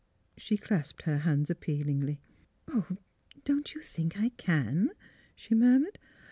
" She clasped her hands appealingly. " Oh, don't you think I can? " she murmured.